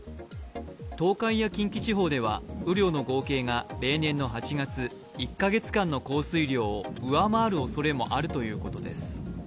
東海や近畿地方では雨量の合計が例年の８月、１か月間の降水量を上回るおそれもあるということです。